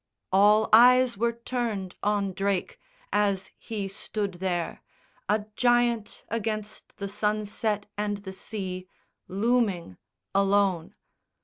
All eyes were turned on Drake, as he stood there A giant against the sunset and the sea Looming, alone.